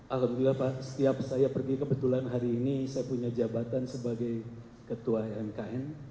alhamdulillah pak setiap saya pergi kebetulan hari ini saya punya jabatan sebagai ketua mkn